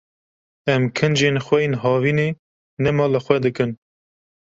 Em kincên xwe yên havînê nema li xwe dikin.